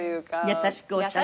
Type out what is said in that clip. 優しくおっしゃったの？